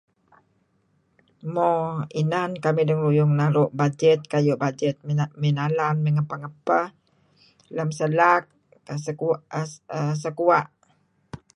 Mo inan kamih dengaruyung nuk naru' bajet kayu' bajet may nalan may ngapeh ngapeh. Lem sa laak uhm sa kua'.